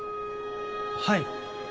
はい。